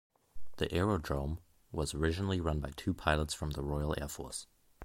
The aerodrome was originally run by two pilots from the Royal Air Force.